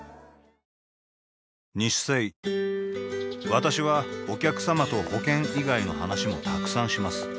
私はお客様と保険以外の話もたくさんします